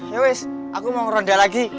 yewis aku mau ngeronda lagi